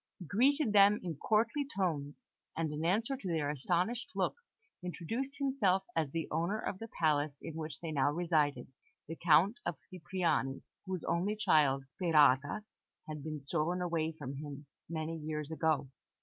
He greeted them in courtly tones, and in answer to their astonished looks, introduced himself as the owner of the palace in which they now resided, the Count of Cipriani, whose only child, Sperata, had been stolen from him many years ago.